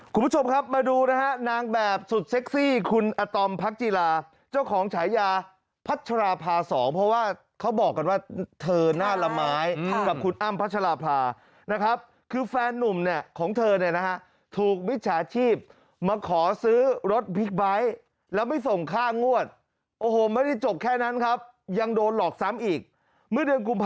คุณผู้ชมครับมาดูนะฮะนางแบบสุดเซ็กซี่คุณอาตอมพักจีราเจ้าของฉายาพัชราภาสองเพราะว่าเขาบอกกันว่าเธอหน้าละไม้กับคุณอ้ำพัชราภานะครับคือแฟนนุ่มเนี่ยของเธอเนี่ยนะฮะถูกมิจฉาชีพมาขอซื้อรถบิ๊กไบท์แล้วไม่ส่งค่างวดโอ้โหไม่ได้จบแค่นั้นครับยังโดนหลอกซ้ำอีกเมื่อเดือนกุม